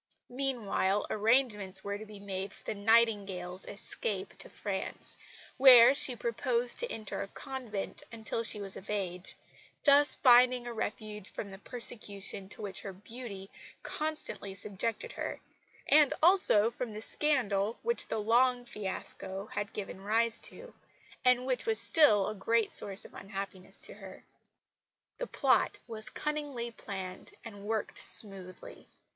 Meanwhile arrangements were to be made for the Nightingale's escape to France, where she proposed to enter a convent until she was of age thus finding a refuge from the persecution to which her beauty constantly subjected her, and also from the scandal which the Long fiasco had given rise to, and which was still a great source of unhappiness to her. The plot was cunningly planned and worked smoothly.